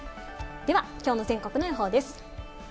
では、きょうの全国の予報です。